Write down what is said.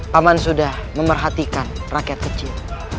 pak man sudah memerhatikan rakyat kecil